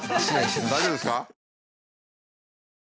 大丈夫ですか？